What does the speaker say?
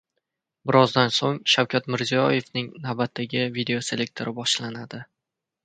Birozdan so‘ng Shavkat Mirziyoyevning navbatdagi videoselektori boshlanadi